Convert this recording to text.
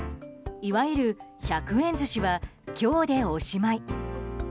いわゆる１００円寿司は今日で、おしまい。